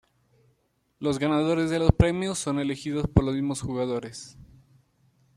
Los ganadores de los premios son elegidos por los mismos jugadores.